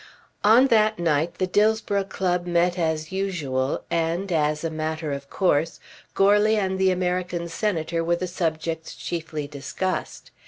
On that night the Dillsborough club met as usual and, as a matter of course, Goarly and the American Senator were the subjects chiefly discussed.